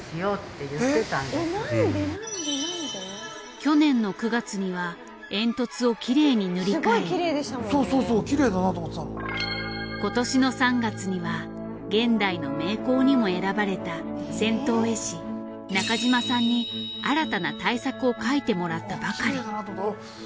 去年の９月には煙突をきれいに塗り替え今年の３月には現代の名工にも選ばれた銭湯絵師中島さんに新たな大作を描いてもらったばかり。